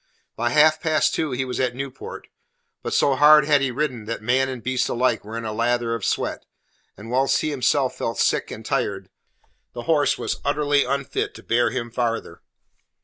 By half past two he was at Newport. But so hard had he ridden that man and beast alike were in a lather of sweat, and whilst he himself felt sick and tired, the horse was utterly unfit to bear him farther.